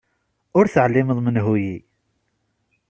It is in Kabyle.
Ur teɛlimeḍ menhu-yi.